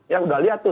ya udah lihat tuh